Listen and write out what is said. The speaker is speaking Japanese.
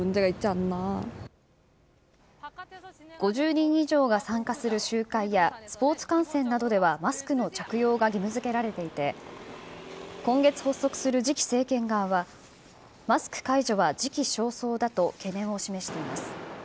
５０人以上が参加する集会や、スポーツ観戦などではマスクの着用が義務づけられていて、今月発足する次期政権側は、マスク解除は時期尚早だと懸念を示しています。